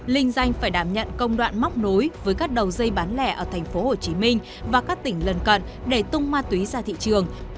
linh danh phải đảm nhận công đoạn móc nối với các đầu dây bán lẻ ở tp hcm và các tỉnh lân cận để tung ma túy ra thị trường